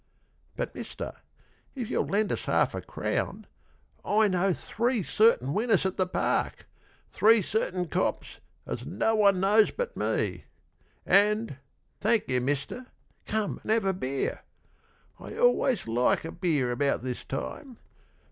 But Mister if you'll lend us half a crown, I know three certain winners at the Park Three certain cops as no one knows but me; And thank you, Mister, come an' have a beer (I always like a beer about this time)